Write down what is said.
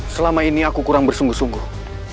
selama ini aku kurang bersungguh sungguh